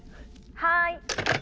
☎はい。